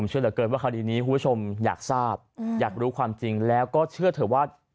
เชื่อเหลือเกินว่าคดีนี้คุณผู้ชมอยากทราบอยากรู้ความจริงแล้วก็เชื่อเถอะว่า